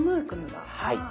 はい。